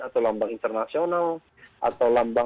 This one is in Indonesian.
atau lambang internasional atau lambang